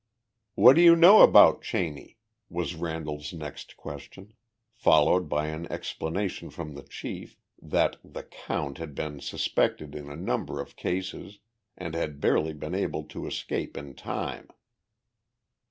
"What do you know about Cheney?" was Randall's next question, followed by an explanation from the chief that the "count" had been suspected in a number of cases and had barely been able to escape in time.